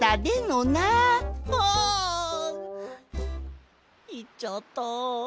あ！いっちゃった。